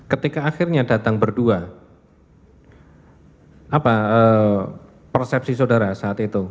ketika akhirnya datang berdua apa persepsi saudara saat itu